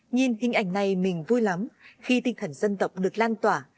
nhìn hình ảnh này mình vui lắm khi tinh thần dân tộc được lan tỏa